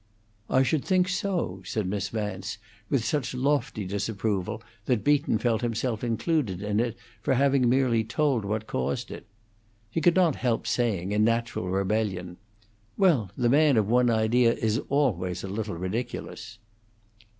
"I should think so," said Miss Vance, with such lofty disapproval that Beaton felt himself included in it for having merely told what caused it. He could not help saying, in natural rebellion, "Well, the man of one idea is always a little ridiculous."